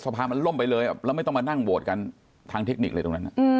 หรือว่าให้สะพานมันล่มไปเลยแล้วไม่ต้องมานั่งโบสถ์กันทางเทคนิคเลยตรงนั้น